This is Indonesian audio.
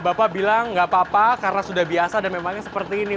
bapak bilang nggak apa apa karena sudah biasa dan memangnya seperti ini